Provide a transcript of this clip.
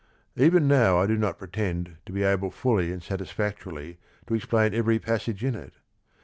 Even now I do not pretend to be able fully and satis factorily to explain every passage in it.